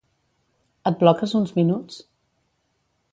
Et bloques uns minuts?